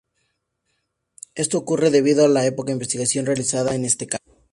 Esto ocurre debido a la poca investigación realizada en este campo.